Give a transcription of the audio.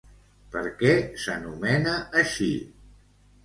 Per què s'anomena així?